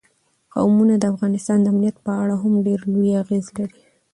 قومونه د افغانستان د امنیت په اړه هم ډېر لوی اغېز لري.